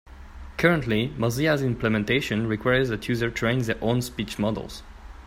Currently, Mozilla's implementation requires that users train their own speech models.